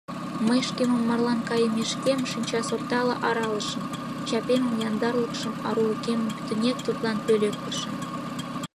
Мый шкемым марлан кайымешкем шинчасортала аралышым, чапемым, яндарлыкшым, арулыкемым пӱтынек тудлан пӧлеклышым...